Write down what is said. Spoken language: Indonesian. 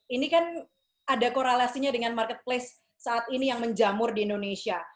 ini kan ada korelasinya dengan marketplace saat ini yang menjamur di indonesia